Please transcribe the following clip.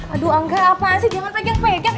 aduh angga apa sih jangan pegang pegang